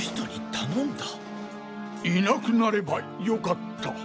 いなくなればよかった。